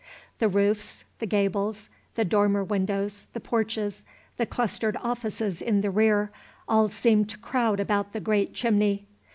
The roofs, the gables, the dormer windows, the porches, the clustered offices in the rear, all seemed to crowd about the great chimney.